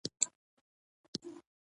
د خپلو هیلو د قبر سره مې ونڅیږم.